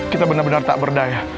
kita benar benar tak berdaya